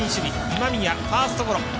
今宮、ファーストゴロ。